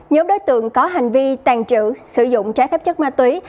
nhóm đối tượng có hành vi tàn trữ sử dụng trái phép chất ma túy